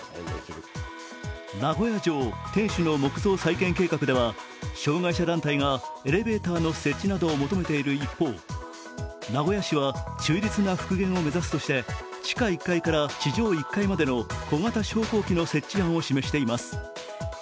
名古屋城天守の木造再建計画では障害者団体がエレベーターの設置などを求めている一方、名古屋市は忠実な復元を目指すとして地下１階から地上１階までの小型昇降機の設置案を示しています。